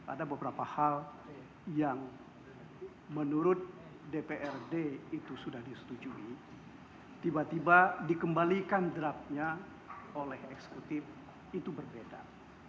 ada beberapa hal yang menurut dprd itu sudah disetujui tiba tiba dikembalikan draftnya oleh eksekutif itu berbeda